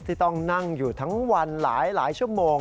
ที่ต้องนั่งอยู่ทั้งวันหลายชั่วโมง